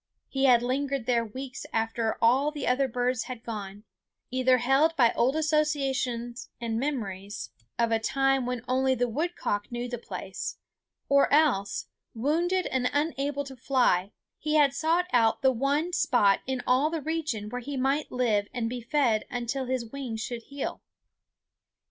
He had lingered there weeks after all other birds had gone, either held by old associations and memories of a time when only the woodcock knew the place; or else, wounded and unable to fly, he had sought out the one spot in all the region where he might live and be fed until his wing should heal.